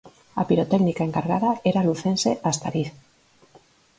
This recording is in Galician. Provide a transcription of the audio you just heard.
A pirotécnica encargada era a lucense Astariz.